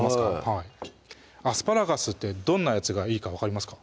はいアスパラガスってどんなやつがいいか分かりますか？